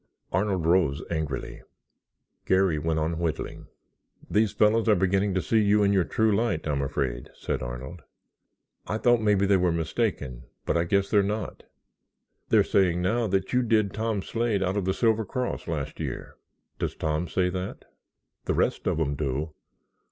Arnold rose angrily. Garry went on whittling. "These fellows are beginning to see you in your true light, I'm afraid," said Arnold. "I thought maybe they were mistaken but I guess they're not. They're saying now that you did Tom Slade out of the Silver Cross last year." "Does Tom say that?" "The rest of them do.